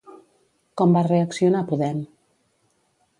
Com va reaccionar Podem?